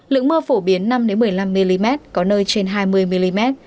lượng mưa phổ biến năm một mươi năm mm